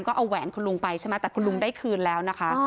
ก็เอาแหวนคุณลุงไปใช่ไหมแต่คุณลุงได้คืนแล้วนะคะ